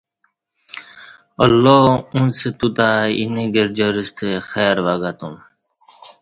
اللہ اُݩڅ توتہ اینہ گرجار ستہ خیر وگہ تم